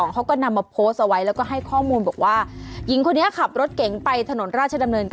เขาก็นำมาโพสต์เอาไว้แล้วก็ให้ข้อมูลบอกว่าหญิงคนนี้ขับรถเก๋งไปถนนราชดำเนิน๙